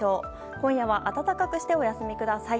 今夜は暖かくしてお休みください。